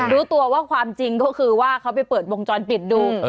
รู้ตัวว่าความจริงก็คือว่าเขาไปเปิดวงจรปิดดู